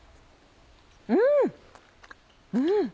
うんうん！